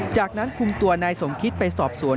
จากนั้นคุมตัวนายสมคิตไปสอบสวน